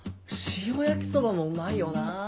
塩焼きそばもうまいよなぁ。